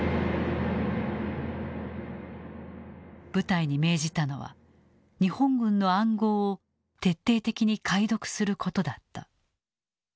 部隊に命じたのは日本軍の暗号を徹底的に解読することだった。